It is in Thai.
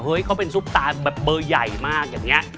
เขาเป็นซุปตาแบบเบอร์ใหญ่มากอย่างนี้